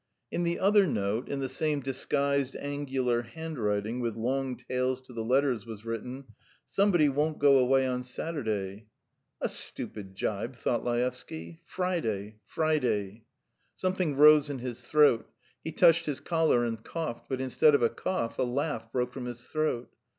In the other note, in the same disguised angular handwriting with long tails to the letters, was written: "Somebody won't go away on Saturday." "A stupid gibe," thought Laevsky. "Friday, Friday. ..." Something rose in his throat. He touched his collar and coughed, but instead of a cough a laugh broke from his throat.